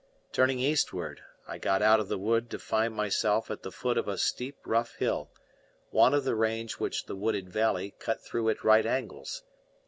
Turning eastward, I got out of the wood to find myself at the foot of a steep rough hill, one of the range which the wooded valley cut through at right angles.